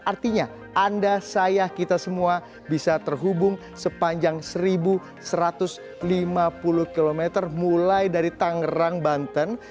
artinya anda saya kita semua bisa terhubung sepanjang seribu satu ratus lima puluh km mulai dari tangerang banten